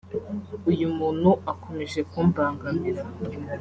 uyu muntu akomeje kumbangamira”